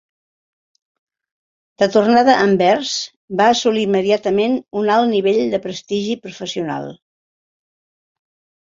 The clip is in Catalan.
De tornada a Anvers va assolir immediatament un alt nivell de prestigi professional.